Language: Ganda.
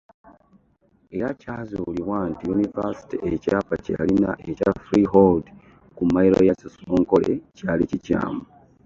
Era kyazuulibwa nti univerisity ekyapa kyeyalina ekya freehold ku mailo ya Kisosonkole kyali kikyamu.